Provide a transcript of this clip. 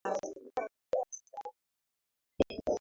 virutubisho kama vile N P K Ca Mg S hupatikana katika mbolea ya samadi